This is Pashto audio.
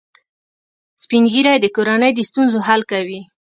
سپین ږیری د کورنۍ د ستونزو حل کوي